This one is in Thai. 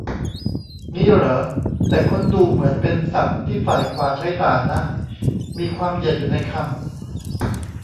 งี้เหรอ แต่ค้นดูเหมือนเป็นศัพท์ที่ฝ่ายขวาใช้ด่านะ มีความเหยียดอยู่ในคำ - -